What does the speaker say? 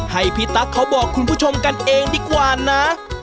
ให้พี่ตั๊กเขาบอกคุณผู้ชมกันเองดีกว่านะ